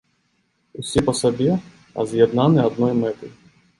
Усе па сабе, а з'яднаны адной мэтай.